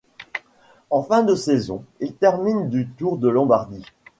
En fin de saison, il termine du Tour de Lombardie.